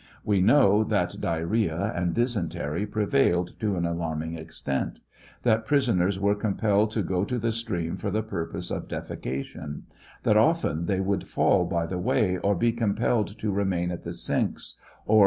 We know that diarrhoea and dysentery prevailed to an alarming extent; that prisoners were compelled to go to the stream for the purpose of defecation; that often they would fall by the way or be compelled to remain at the sinks, or, 766 TRIAL OF HENRY WIRZ.